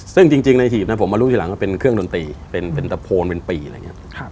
ซึ่งจริงในหีบผมมารู้ทีหลังว่าเป็นเครื่องดนตรีเป็นตะโพนเป็นปีอะไรอย่างนี้